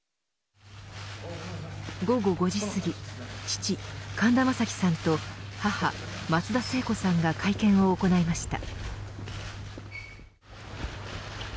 午後５時すぎ父、神田正輝さんと母、松田聖子さんが会見を行いました。